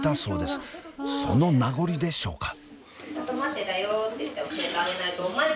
その名残でしょうか？